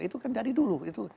itu kan dari dulu